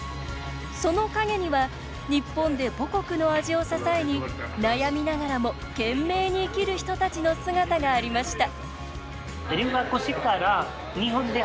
その陰には日本で母国の味を支えに悩みながらも懸命に生きる人たちの姿がありました